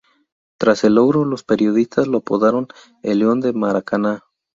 Tras el logro, los periodistas lo apodaron "el león del Maracaná".